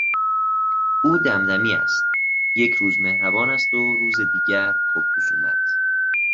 او دمدمی است، یک روز مهربان است و روز دیگر پر خصومت.